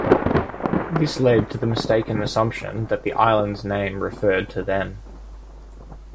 This led to the mistaken assumption that the island's name referred to them.